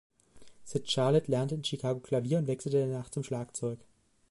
Sid Catlett lernte in Chicago Klavier und wechselte danach zum Schlagzeug.